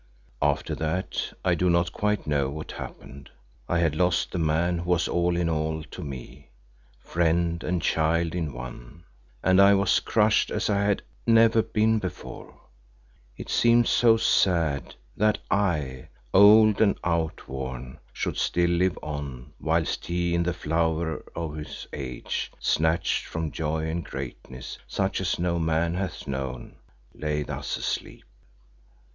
After that I do not quite know what happened. I had lost the man who was all in all to me, friend and child in one, and I was crushed as I had never been before. It seemed so sad that I, old and outworn, should still live on whilst he in the flower of his age, snatched from joy and greatness such as no man hath known, lay thus asleep.